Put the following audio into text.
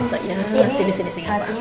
ini hatinya si taran disini ya